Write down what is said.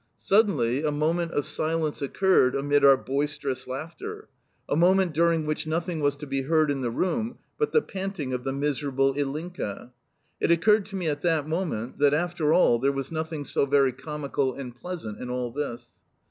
Suddenly a moment of silence occurred amid our boisterous laughter a moment during which nothing was to be heard in the room but the panting of the miserable Ilinka. It occurred to me at that moment that, after all, there was nothing so very comical and pleasant in all this.